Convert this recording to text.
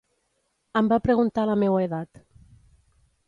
Em va preguntar la meua edat.